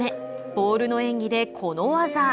ボールの演技でこの技。